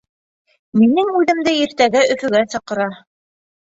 Минең үҙемде иртәгә Өфөгә саҡыра.